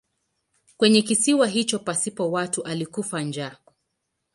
Kwenye kisiwa hicho pasipo watu alikufa njaa.